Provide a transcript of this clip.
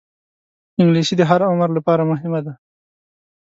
انګلیسي د هر عمر لپاره مهمه ده